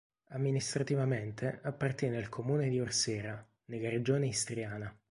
Amministrativamente appartiene al comune di Orsera, nella regione istriana.